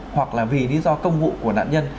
hoặc là vì lý do công vụ của nạn nhân